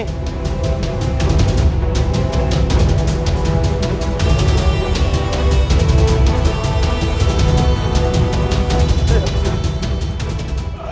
ayah tidak boleh mati